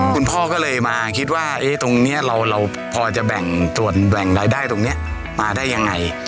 คุณพ่อก็เลยมาคิดว่าตรงนี้เราพอจะแบ่งส่วนแบ่งรายได้ตรงนี้มาได้ยังไง